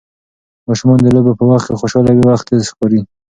ماشومان د لوبو په وخت خوشحاله وي، وخت تېز ښکاري.